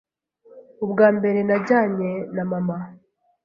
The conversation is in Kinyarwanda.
Ubwa mbere najyanye na mama,